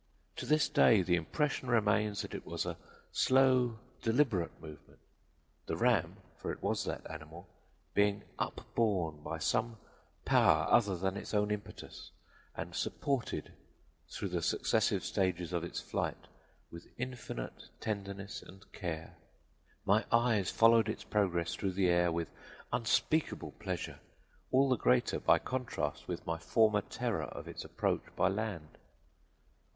To this day the impression remains that it was a slow, deliberate movement, the ram for it was that animal being upborne by some power other than its own impetus, and supported through the successive stages of its flight with infinite tenderness and care. My eyes followed its progress through the air with unspeakable pleasure, all the greater by contrast with my former terror of its approach by land.